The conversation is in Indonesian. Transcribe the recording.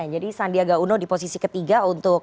jadi sandiaga uno di posisi ketiga